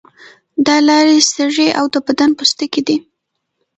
دا لارې سږی او د بدن پوستکی دي.